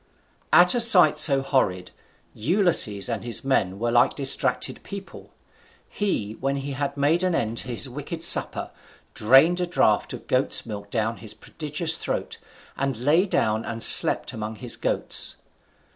At a sight so horrid, Ulysses and his men were like distracted people. He, when he had made an end of his wicked supper, drained a draught of goat's milk down his prodigious throat, and lay down and slept among his goats.